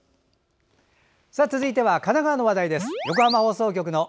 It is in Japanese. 続いては神奈川の話題です。